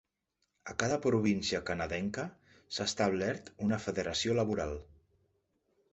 A cada província canadenca s'ha establert una federació laboral.